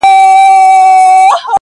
له خوږو او له ترخو نه دي جارېږم,